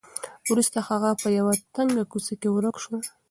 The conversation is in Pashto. وروسته هغه په یوه تنګه کوڅه کې ورک شو.